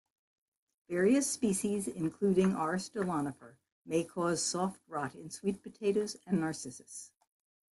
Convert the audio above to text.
Various species, including "R. stolonifer", may cause soft rot in sweet potatoes and "Narcissus".